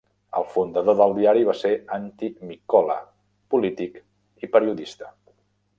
El fundador del diari va ser Antti Mikkola, polític i periodista.